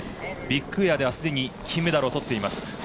ビッグエアではすでに金メダルをとっています。